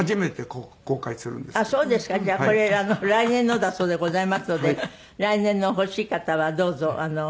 じゃあこれ来年のだそうでございますので来年のを欲しい方はどうぞ。